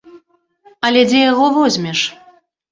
Але дзе яго возьмеш?